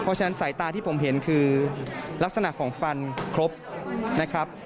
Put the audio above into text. เพราะฉะนั้นสายตาที่ผมเห็นคือลักษณะของฟันครบนะครับ